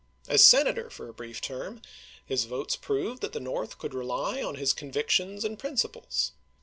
As Senator for a brief term, his votes proved that the North could rely on his convictions and principles.